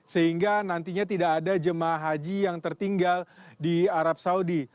sehingga nantinya tidak ada jemaah haji yang tertinggal di arab saudi